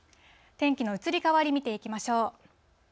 天気の移り変わり、見ていきましょう。